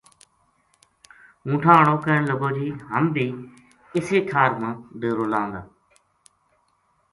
اونٹھاں ہاڑو کہن لگو جی ہم بی اسے ٹھار ما ڈیرو لاں گا